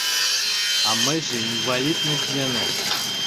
А мыйже — инвалидность дене.